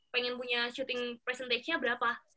pengen punya shooting presentagenya berapa